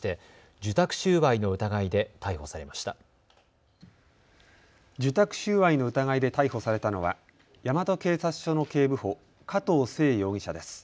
受託収賄の疑いで逮捕されたのは大和警察署の警部補、加藤聖容疑者です。